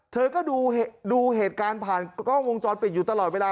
เธอก็ดูเหตุการณ์ผ่านกล้องวงจรปิดอยู่ตลอดเวลา